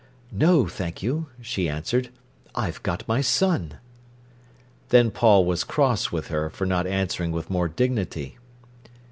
"No, thank you," she answered. "I've got my son." Then Paul was cross with her for not answering with more dignity.